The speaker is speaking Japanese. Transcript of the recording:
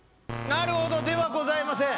なるほど、ではございません。